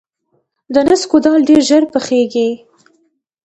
د نسکو دال ډیر ژر پخیږي.